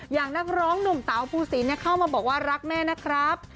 อย่างนักร้องหนุ่มเต๋าภูสินเข้ามาบอกว่ารักแม่นะครับ